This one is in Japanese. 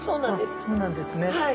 あっそうなんですね。